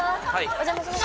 お邪魔します。